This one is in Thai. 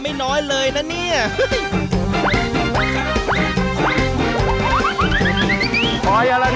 ที่จะเป็นความสุขของชาวบ้าน